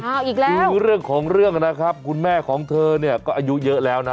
เอาอีกแล้วดูเรื่องของเรื่องนะครับคุณแม่ของเธอเนี่ยก็อายุเยอะแล้วนะ